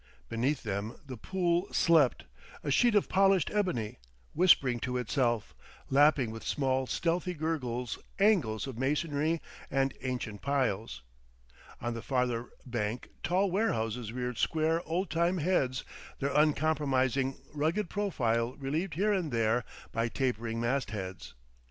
Beneath them the Pool slept, a sheet of polished ebony, whispering to itself, lapping with small stealthy gurgles angles of masonry and ancient piles. On the farther bank tall warehouses reared square old time heads, their uncompromising, rugged profile relieved here and there by tapering mastheads.